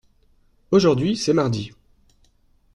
Aujourd’hui c’est mardi.